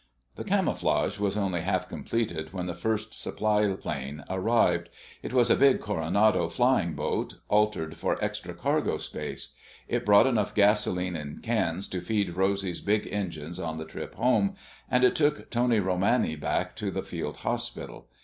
The camouflage was only half completed when the first supply plane arrived. It was a big Coronado flying boat, altered for extra cargo space. It brought enough gasoline in cans to feed Rosy's big engines on the trip home, and it took Tony Romani back to the field hospital.